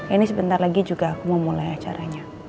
ini sebentar lagi juga aku mau mulai acaranya